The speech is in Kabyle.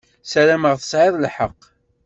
Sarameɣ tesɛiḍ lḥeqq.